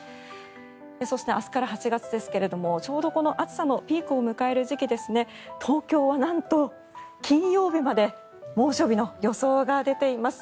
そして、明日から８月ですがちょうどこの暑さのピークを迎える時期東京はなんと、金曜日まで猛暑日の予想が出ています。